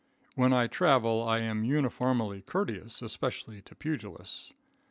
When I travel I am uniformly courteous, especially to pugilists.